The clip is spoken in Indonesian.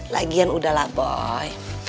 lagian udahlah boy